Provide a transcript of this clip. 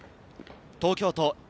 東京都Ａ